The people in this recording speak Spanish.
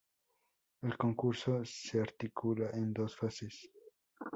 El concurso se articula en dos fases.